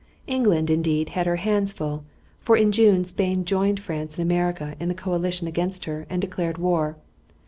England, indeed, had her hands full, for in June Spain joined France and America in the coalition against her and declared war.